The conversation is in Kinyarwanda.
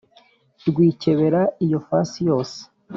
Rwikebera iyo fasi yose